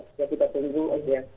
kita tunggu aja